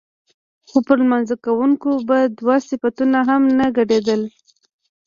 خو پر لمانځه کوونکو به دوه صفونه هم نه ډکېدل.